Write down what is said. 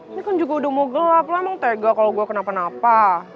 ini kan udah mau gelap lah emang tega kalo gua kenapa napa